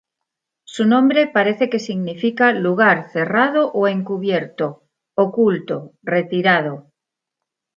Su nombre parece que significa lugar cerrado o encubierto, oculto, retirado.